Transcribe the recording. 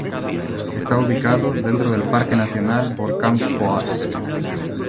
Está ubicado dentro del Parque nacional Volcán Poás.